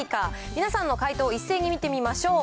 皆さんの解答を一斉に見てみましょう。